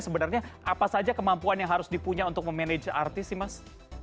sebenarnya apa saja kemampuan yang harus dipunya untuk memanage artis sih mas